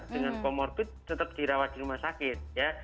dengan komorbid tetap dirawat di rumah sakit